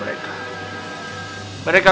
mereka lebih terlalu